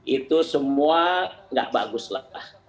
itu semua nggak bagus lah